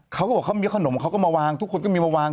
เขาบอกเขามีขนมเขาก็มาวางทุกคนก็มีมาวาง